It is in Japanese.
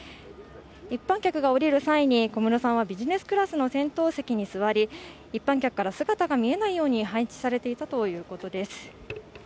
一般客が降りる際に小室さんはビジネスクラスの先頭に座り一般客から姿が見えないように配置されていたということです。